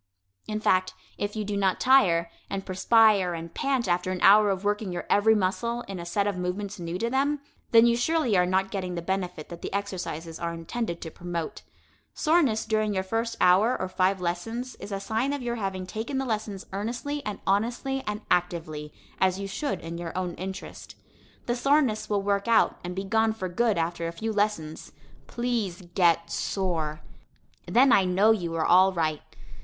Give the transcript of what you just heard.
In fact, if you do not tire, and perspire and pant after an hour of working your every muscle in a set of movements new to them, then you surely are not getting the benefit that the exercises are intended to promote. Soreness during your first four or five lessons is a sign of your having taken the lessons earnestly and honestly and actively, as you should in your own interest. The soreness will work out and be gone for good after a few lessons. Please get sore! Then I know you are all right.